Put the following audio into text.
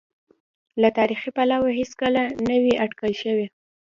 له تاریخي پلوه هېڅکله نه وې اټکل شوې.